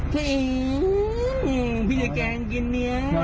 ตัวเองพี่ใหญ่แกงกินเนื้อ